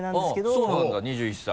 あぁそうなんだ２１歳。